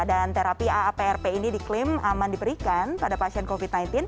dan terapi aaprp ini diklaim aman diberikan pada pasien covid sembilan belas